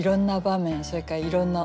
それからいろんな思い